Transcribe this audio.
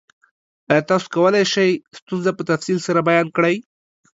ایا تاسو کولی شئ ستونزه په تفصیل سره بیان کړئ؟